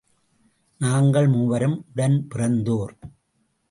நாங்கள் மூவரும் உடன் பிறந்தோர்.